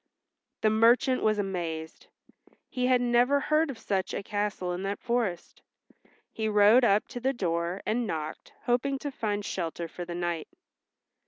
The merchant was amazed. He had never heard of such a castle in that forest. He rode up to the door and knocked, hoping to find shelter for the night.